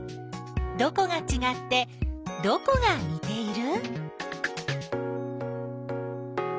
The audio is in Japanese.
どこがちがってどこがにている？